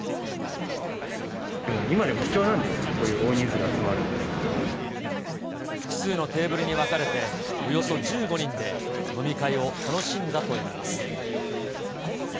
今、貴重なんで、こういう大複数のテーブルに分かれて、およそ１５人で飲み会を楽しんだといいます。